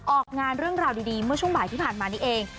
ออกงานเรื่องราวดีเมื่อช่วงบ่ายที่ผ่านมานี้เอง